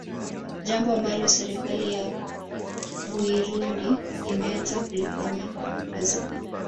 Jambo ambalo serikali ya Buirundi imeanza kulifanyika kazi